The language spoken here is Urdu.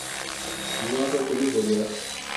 حملہ تو چلو ہو گیا۔